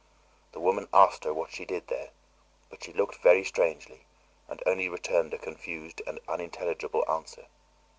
The woman asked her what she did there, but she looked very strangely and only returned a confused and unintelligible answer.